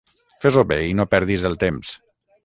Fes-ho bé i no perdis el temps.